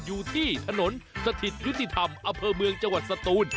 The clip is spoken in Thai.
อยู่ที่ถนนสถิตยุธิธรรมอเผอเมืองจวดสตูน